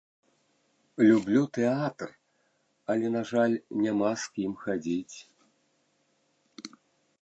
Люблю тэатр, але, на жаль, няма з кім хадзіць.